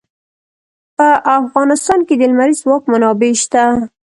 په افغانستان کې د لمریز ځواک منابع شته.